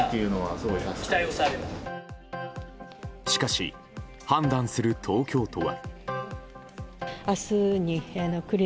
しかし、判断する東京都は。